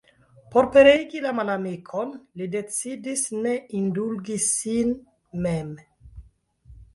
Por pereigi la malamikon, li decidis ne indulgi sin mem.